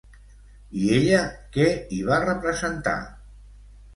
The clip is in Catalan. I ella què hi va representar?